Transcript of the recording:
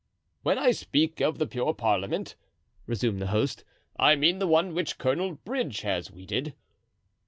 "When I speak of the pure parliament," resumed the host, "I mean the one which Colonel Bridge has weeded."